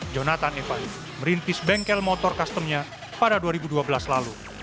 jonathan eva merintis bengkel motor customnya pada dua ribu dua belas lalu